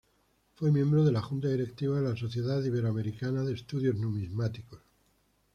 Fue miembro de la Junta Directiva de la Sociedad Ibero-Americana de Estudios Numismáticos.